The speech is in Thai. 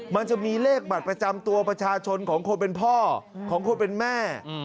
มันจะมีเลขบัตรประจำตัวประชาชนของคนเป็นพ่อของคนเป็นแม่